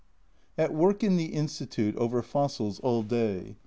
At work in the Institute over fossils all day.